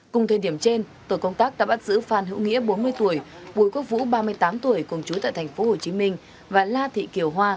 cùng thời điểm trên tội công tác đã bắt giữ phan hữu nghĩa bốn mươi tuổi bùi quốc vũ ba mươi tám tuổi cùng chú tại tp hcm và la thị kiều hoa